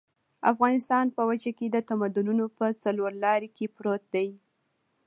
افغانستان په وچه کې د تمدنونو په څلور لاري کې پروت دی.